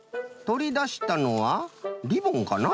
とりだしたのはリボンかな？